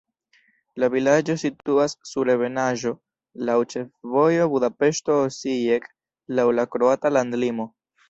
La vilaĝo situas sur ebenaĵo, laŭ ĉefvojo Budapeŝto-Osijek, laŭ la kroata landlimo.